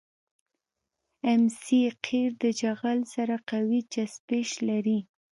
ام سي قیر د جغل سره قوي چسپش لري